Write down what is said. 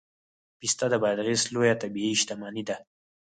پسته د بادغیس لویه طبیعي شتمني ده